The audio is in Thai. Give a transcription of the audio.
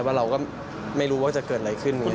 ว่าเราก็ไม่รู้ว่าจะเกิดอะไรขึ้น